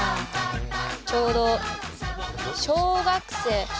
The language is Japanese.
ちょうど小学生。